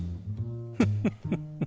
フフフフ。